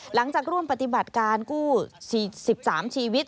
หลังจากร่วมปฏิบัติการกู้๑๓ชีวิต